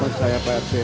maafkan saya pak ren